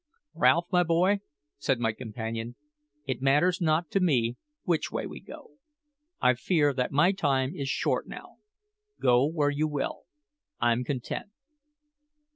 "Ralph, boy," said my companion, "it matters not to me which way we go. I fear that my time is short now. Go where you will; I'm content."